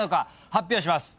発表します。